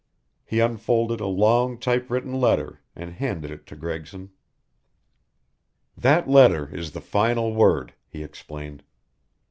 He unfolded a long typewritten letter, and handed it to Gregson. "That letter is the final word," he explained.